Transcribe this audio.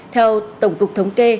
theo tổng cục thống kê